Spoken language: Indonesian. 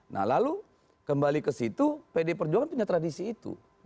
nah lalu kembali ke situ pdi perjuangan punya tradisi itu